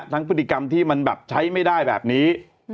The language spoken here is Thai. พฤติกรรมที่มันแบบใช้ไม่ได้แบบนี้